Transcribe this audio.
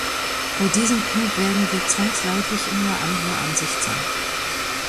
Bei diesem Punkt werden wir zwangsläufig immer anderer Ansicht sein.